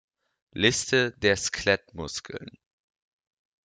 Liste der Skelettmuskeln